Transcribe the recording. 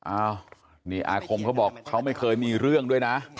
อ้าวนี่อาคมเขาบอกเขาไม่เคยมีเรื่องด้วยนะ